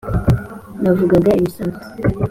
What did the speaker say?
Navugaga ibisanzwe